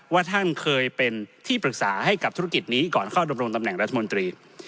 ว่าท่านเคยเป็นที่ปรึกษาให้กับธุรกิจนี้ก่อนเข้าดำรงตำแหน่งรัฐมนตรี